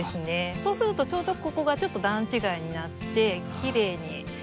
そうするとちょうどここがちょっと段違いになってきれいに見えたりとか。